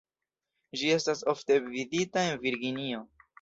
Ĝi estas ofte vidita en Virginio.